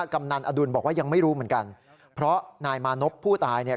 กำนันอดุลบอกว่ายังไม่รู้เหมือนกันเพราะนายมานพผู้ตายเนี่ย